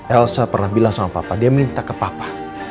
elsa pernah bilang sama papa dia minta ke papa